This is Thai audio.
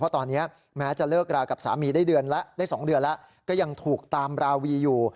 เพราะตอนนี้แม้จะเลิกราคับสามีได้๒เดือนแล้วก็ยังถูกตามราวีอยู่